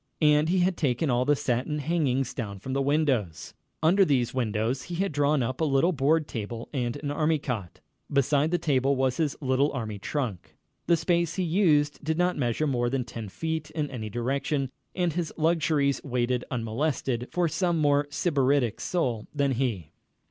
And he had taken all the satin hangings down from the windows. Under these windows he had drawn up a little board table and an army cot. Beside the table was his little army trunk. The space he used did not measure more than ten feet in any direction, and his luxuries waited unmolested for some more sybaritic soul than he.